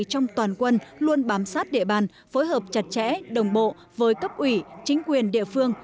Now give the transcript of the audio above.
trong toàn quân luôn bám sát địa bàn phối hợp chặt chẽ đồng bộ với cấp ủy chính quyền địa phương